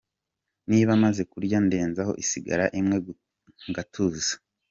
Niba maze kurya ndezaho isigara imwe ngatuza.